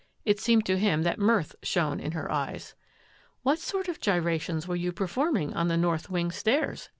It seemed to him that mirth shone in her eyes. " What sort of gyrations were you performing on the north wing stairs?